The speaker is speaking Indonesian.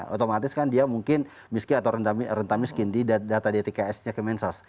otomatis kan dia mungkin miskin atau rentah miskin di data dtksnya ke mensas